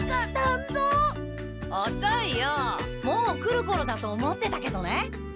もう来るころだと思ってたけどね。